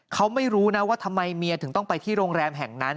เขาไม่รู้นะว่าทำไมเมียถึงต้องไปที่โรงแรมแห่งนั้น